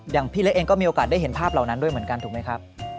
อย่างพี่เล็กเองก็มีโอกาสได้เห็นภาพเหล่านั้นด้วยเหมือนกันถูกไหมครับ